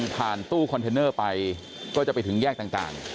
คุณภูริพัฒน์บุญนิน